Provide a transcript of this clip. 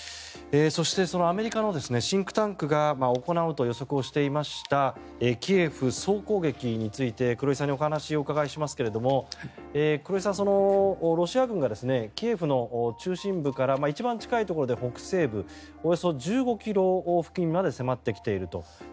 そしてそのアメリカのシンクタンクが行うと予測をしていましたキエフ総攻撃について黒井さんにお話をお伺いしますが黒井さん、ロシア軍がキエフの中心部から一番近いところで北西部およそ１５ｋｍ付近まで迫ってきていると。